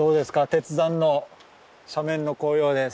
鉄山の斜面の紅葉です。